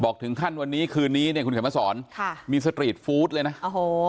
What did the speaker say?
ถึงขั้นวันนี้คืนนี้เนี่ยคุณเขียนมาสอนค่ะมีสตรีทฟู้ดเลยนะโอ้โห